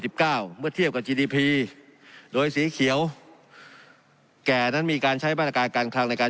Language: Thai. เมื่อเทียบกับจีดีพีโดยสีเขียวแก่นั้นมีการใช้มาตรการการคลังในการ